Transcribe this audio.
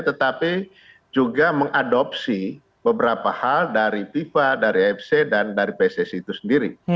tetapi juga mengadopsi beberapa hal dari fifa dari afc dan dari pssi itu sendiri